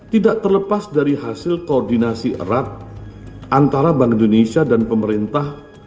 tidak terlepas dari hasil koordinasi bank indonesia